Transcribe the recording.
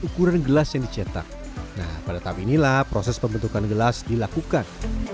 ukuran gelas yang dicetak nah pada tahap inilah proses pembentukan gelas dilakukan